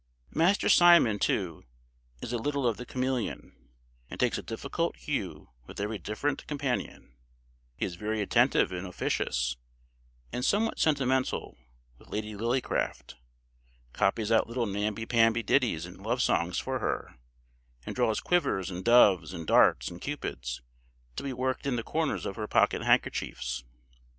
Master Simon, too, is a little of the chameleon, and takes a different hue with every different companion; he is very attentive and officious, and somewhat sentimental, with Lady Lillycraft; copies out little namby pamby ditties and love songs for her, and draws quivers, and doves, and darts, and Cupids, to be worked in the corners of her pocket handkerchiefs.